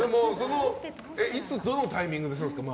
いつ、どのタイミングでするんですか？